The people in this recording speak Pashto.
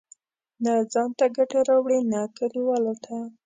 نه ځان ته ګټه راوړي، نه کلیوالو ته.